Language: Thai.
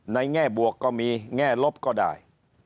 แง่บวกก็มีแง่ลบก็ได้